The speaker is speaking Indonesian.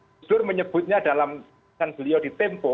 gus dur menyebutnya dalam beliau di tempo